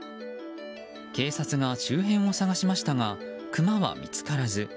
警察が周辺を捜しましたがクマは見つからず。